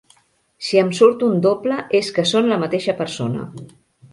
Si em surt un doble és que són la mateixa persona.